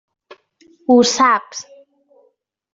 Ho saps.